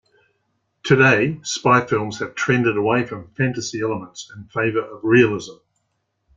Today, spy films have trended away from fantasy elements in favor of realism.